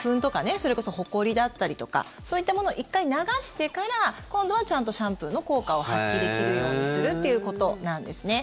それこそ、ほこりだったりとかそういったものを１回流してから今度はちゃんとシャンプーの効果を発揮できるようにするっていうことなんですね。